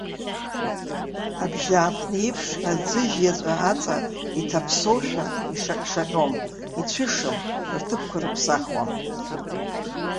Абжьааԥны еиԥш аӡыжь иаҵәа аҵа иҭаԥсоушәа ишаҟьшаҟьом, ицәышым, рҭыԥқәа рыԥсахуам.